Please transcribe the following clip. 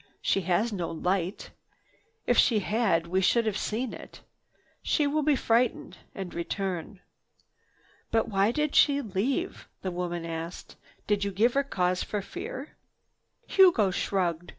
She has no light. If she had, we should have seen it. She will be frightened and return." "But why did she leave?" the woman asked. "Did you give her cause for fear?" Hugo shrugged.